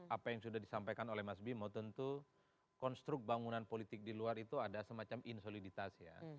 apa yang sudah disampaikan oleh mas bimo tentu konstruk bangunan politik di luar itu ada semacam insoliditas ya